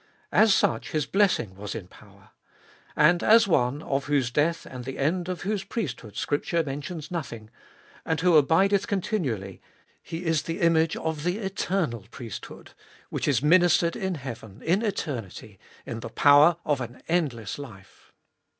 As such his blessing was in power. And as one, of whose death and the end of whose priesthood Scripture mentions nothing, and who abideth con tinually, he is the image of the eternal priesthood, which is ministered in heaven, in eternity, in the power of an endless life.